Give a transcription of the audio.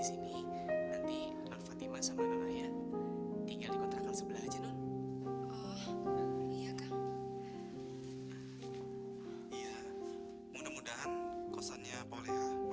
jadi si iqbal dan iqbal akan tinggal di rumah mereka